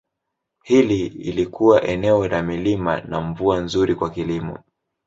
Hili lilikuwa eneo la milima na mvua nzuri kwa kilimo.